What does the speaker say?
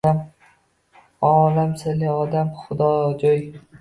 Olam sirli, odam xudojo’y.